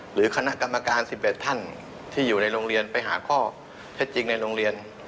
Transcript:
หรือคณะกรรมการ๑๑ท่านที่อยู่ในโรงเรียนไปหาข้อเท็จจริงในโรงเรียน